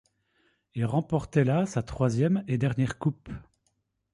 Il remportait là sa troisième et dernière Coupe.